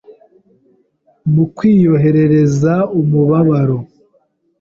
mu kwiyorohereza umubabaro